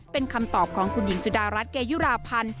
เป็นคำตอบของคุณหญิงสุดารัฐเกยุราพันธ์